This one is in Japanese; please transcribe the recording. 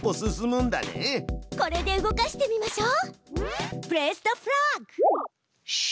これで動かしてみましょう！